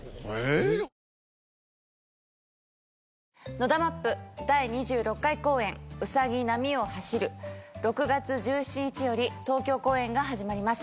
ＮＯＤＡ・ＭＡＰ第２６回公演『兎、波を走る』６月１７日より東京公演が始まります。